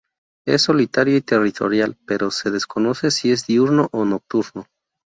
Es solitario y territorial, pero se desconoce si es diurno o nocturno.